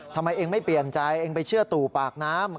ทำไมเองไม่เปลี่ยนใจเองไปเชื่อตู่ปากน้ำ